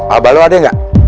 obat lu ada gak